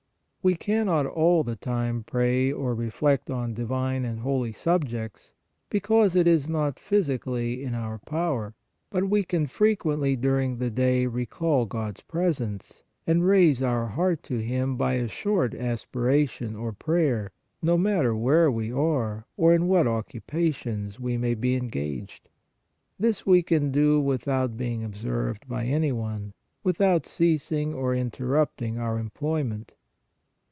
We cannot all the time pray or reflect on divine and holy subjects, because it is not physically in our power ; but we can frequently during the day recall God s presence and raise our heart to Him by a short aspiration or prayer, no matter where we are, or in what occupations we may be engaged. This 134 PRAYER we can do without being observed by any one, with out ceasing or interrupting our employment.